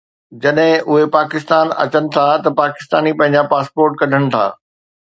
جڏهن اهي پاڪستان اچن ٿا ته پاڪستاني پنهنجا پاسپورٽ ڪڍن ٿا